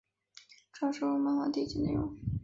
主要收录漫画第一集的内容。